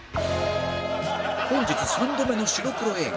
本日３度目の白黒映画